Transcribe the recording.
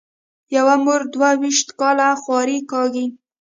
یوه مور دوه وېشت کاله خواري کاږي.